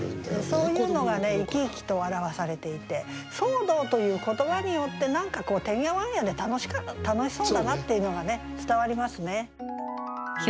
そういうのが生き生きと表されていて「騒動」という言葉によって何かてんやわんやで楽しそうだなっていうのが伝わりますね。